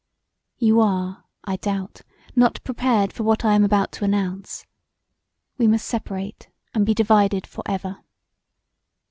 You are I doubt not prepared for what I am about to announce; we must seperate and be divided for ever.